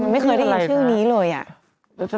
ไม่เคยได้ยินชื่อนี้เลยอะ